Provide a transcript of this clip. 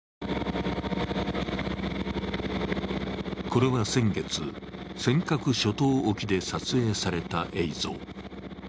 これは先月、尖閣諸島沖で撮影された映像。